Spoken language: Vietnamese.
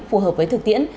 phù hợp với thực tiễn